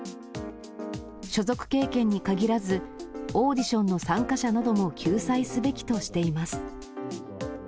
所属経験に限らず、オーディションの参加者なども救済すべきとしています。